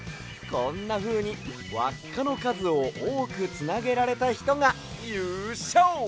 こんなふうにわっかのかずをおおくつなげられたひとがゆうＳＹＯ！